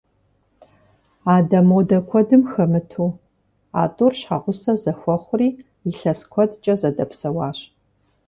Адэ-модэ куэдым хэмыту, а тӏур щхьэгъусэ зэхуэхъури, илъэс куэдкӏэ зэдэпсэуащ.